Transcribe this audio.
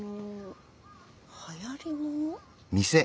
はやり物？